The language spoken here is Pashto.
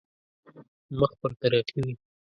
مخ پر ترقي وي.